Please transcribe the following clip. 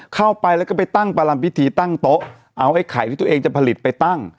เข้าไปแล้วก็ไปตั้งประลำพิธีตั้งโต๊ะเอาไอ้ไข่ที่ตัวเองจะผลิตไปตั้ง